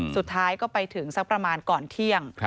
สุดท้ายก็ไปถึงสักประมาณก่อนเที่ยง